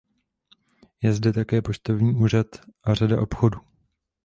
Je zde také poštovní úřad a řada obchodů.